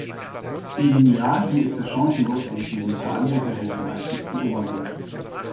Gegen Miyagi ist er chancenlos, aber gegen Daniel behält er meistens die Oberhand.